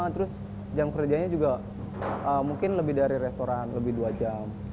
terus jam kerjanya juga mungkin lebih dari restoran lebih dua jam